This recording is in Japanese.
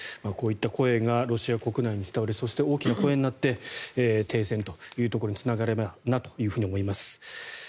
こういった声がロシア国内に伝わりそして、大きな声になって停戦というところにつながればなと思います。